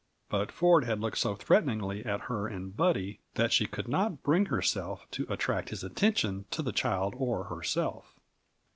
But Ford had looked so threateningly at her and Buddy that she could not bring herself to attract his attention to the child or herself.